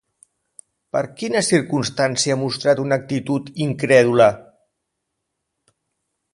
Per quina circumstància ha mostrat una actitud incrèdula?